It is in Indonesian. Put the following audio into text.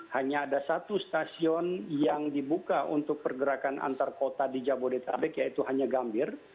hanya ada satu stasiun yang dibuka untuk pergerakan antar kota di jabodetabek yaitu hanya gambir